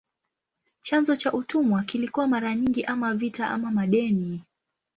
Chanzo cha utumwa kilikuwa mara nyingi ama vita ama madeni.